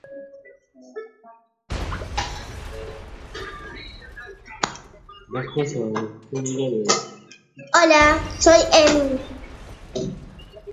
He aquí que en sus siervos no confía, Y notó necedad en sus ángeles